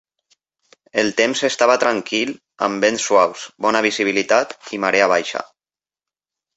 El temps estava tranquil amb vents suaus, bona visibilitat i marea baixa.